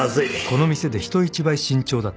［この店で人一倍慎重だった］